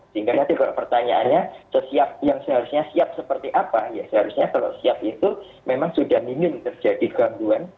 sehingga nanti kalau pertanyaannya yang seharusnya siap seperti apa ya seharusnya kalau siap itu memang sudah minim terjadi gangguan